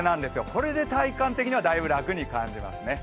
これで体感的には楽に感じますね。